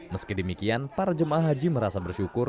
meski demikian para jemaah haji merasa bersyukur